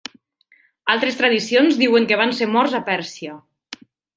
Altres tradicions diuen que van ser morts a Pèrsia.